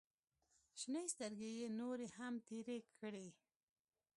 شنې سترګې يې نورې هم تېرې کړې.